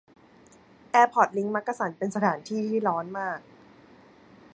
แอร์พอร์ตลิงค์มักกะสัน เป็นสถานีที่ร้อนมาก